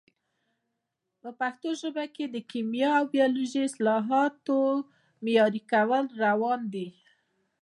په پښتو ژبه کې د کیمیا او بیولوژي د اصطلاحاتو معیاري کول روان دي.